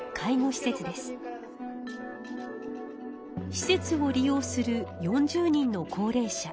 施設を利用する４０人の高齢者。